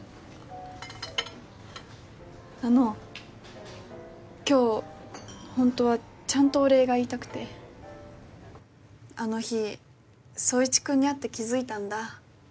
あの今日ホントはちゃんとお礼が言いたくてあの日宗一君に会って気づいたんだ